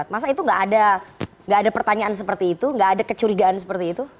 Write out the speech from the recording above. masa itu nggak ada pertanyaan seperti itu nggak ada kecurigaan seperti itu